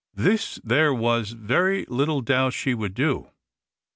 This there was very little doubt she would do.